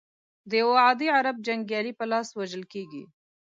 د یوه عادي عرب جنګیالي په لاس وژل کیږي.